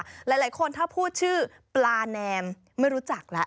หลายคนถ้าพูดชื่อปลาแนมไม่รู้จักแล้ว